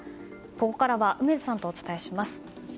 ここからは梅津さんとお伝えします。